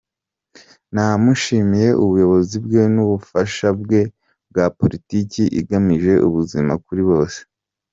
Namushimiye ubuyobozi bwe n’ubufasha bwe bwa politiki igamije ubuzima kuri bose.